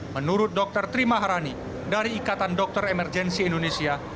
menurut dr tri maharani dari ikatan dokter emergensi indonesia